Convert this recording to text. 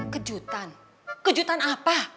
kejutan kejutan apa